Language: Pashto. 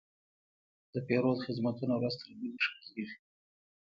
د پیرود خدمتونه ورځ تر بلې ښه کېږي.